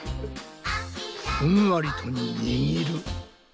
ふんわりとにぎる。